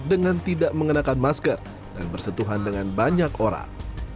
dengan tidak mengenakan masker dan bersentuhan dengan banyak orang